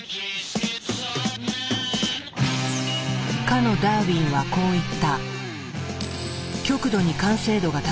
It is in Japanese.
かのダーウィンはこう言った。